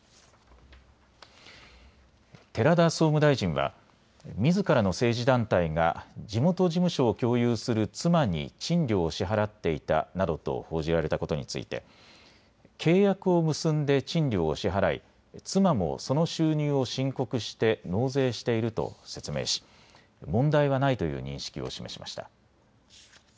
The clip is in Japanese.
寺田総務大臣はみずからの政治団体が地元事務所を共有する妻に賃料を支払っていたなどと報じられたことについて契約を結んで賃料を支払い妻もその収入を申告して納税していると説明し問題はないという認識を示しました。